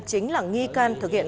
chính là nghi can thực hiện